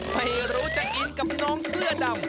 ไม่รู้จะอินกับน้องเสื้อดำ